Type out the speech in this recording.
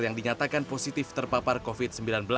yang dinyatakan positif terpapar covid sembilan belas